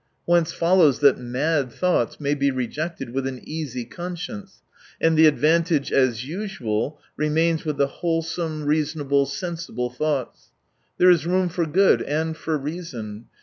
Whence follows that " mad " thoughts may be rejected with an easy conscience, and the advantage, as usual, remains with the wholesome, reasonable, sensible thoughts. There is room for good and for reason.